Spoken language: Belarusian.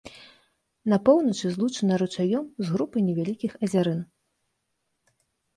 На поўначы злучана ручаём з групай невялікіх азярын.